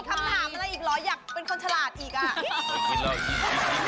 เพราะยังจะตอบไปไม่มีคำถามอะไรอีกแล้ว